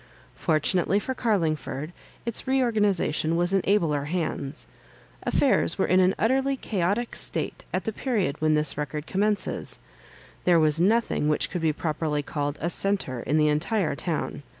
Fortunately for Garlingford, its reorganisation was in abler hands. Affairs were in an utterly chaotic state at the perod when this record commencea There was no thing which could be properly called a centre in the entire town.